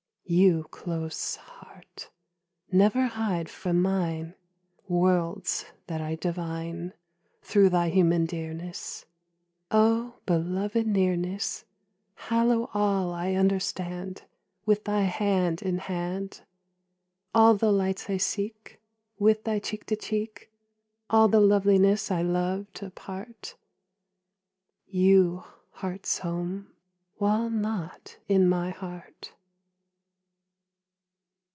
_ _You, close Heart! Never hide from mine Worlds that I divine Through thy human dearness. O belovèd Nearness, Hallow all I understand With thy hand in hand; All the lights I seek, With thy cheek to cheek; All the loveliness I loved apart._ _You, heart's Home! Wall not in my heart.